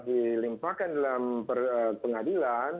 dilimpahkan dalam pengadilan